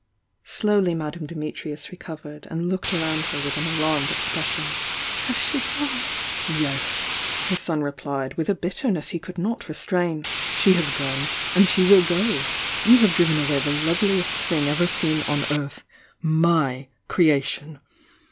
Slowly Madame Dimitrius recovered and looked around her with an alarmed expression. "She has gone?" "Yes," her son replied, with a bitterness he could not restrain. "She has gone! — and ^e will go! You have driven away the loveliest thing ever seen f^f m m 818 THE YOUNG DIAXA on earth! my creation!